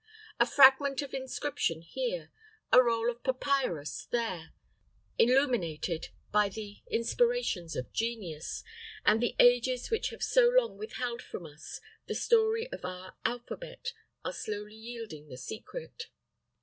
A fragment of inscription here, a roll of papyrus there, illuminated by the inspirations of genius, and the ages which have so long withheld from us the story of our alphabet, are slowly yielding the secret.